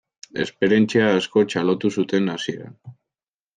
Esperientzia asko txalotu zuten hasieran.